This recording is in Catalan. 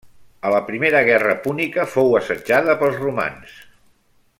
A la Primera Guerra Púnica fou assetjada pels romans.